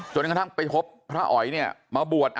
จนกระทั่งไปคบพระออยมาบวช